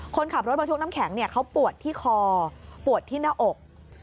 คนขับรถบรรทุกน้ำแข็งเขาปวดที่คอปวดที่หน้าอก